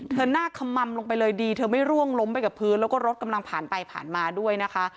หน้าขมัมลงไปเลยดีเธอไม่ร่วงล้มไปกับพื้นแล้วก็รถกำลังผ่านไปผ่านมาด้วยนะคะ